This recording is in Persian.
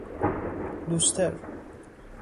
لوستر